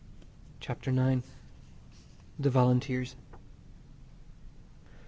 CHAPTER IX. THE VOLUNTEERS.